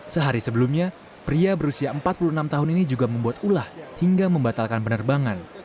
sehari sebelumnya pria berusia empat puluh enam tahun ini juga membuat ulah hingga membatalkan penerbangan